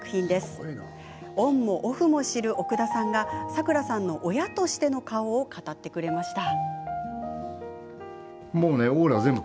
娘のオンもオフも知る奥田さんがサクラさんの親としての顔を語ってくれました。